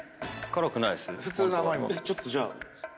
ちょっとじゃあ。